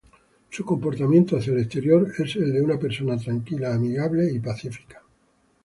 Su comportamiento hacia el exterior es el de una persona tranquila, amigable y pacífica.